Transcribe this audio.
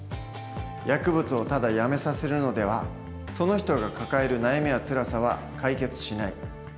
「薬物をただやめさせるのではその人が抱える悩みやつらさは解決しない。